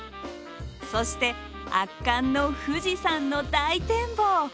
そして圧巻の富士山の大展望。